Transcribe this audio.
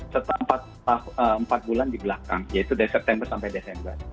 setelah empat bulan di belakang yaitu dari september sampai desember